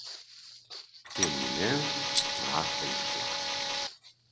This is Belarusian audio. Тым не менш, праца ішла.